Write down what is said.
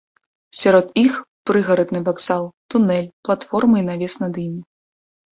Сярод іх прыгарадны вакзал, тунэль, платформы і навес над імі.